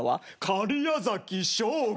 假屋崎省吾。